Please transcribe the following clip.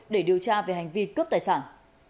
để điều tra về hành vi cướp tài sản